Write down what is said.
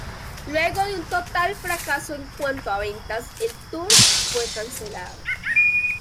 Luego de un total fracaso en cuanto a ventas el tour fue cancelado.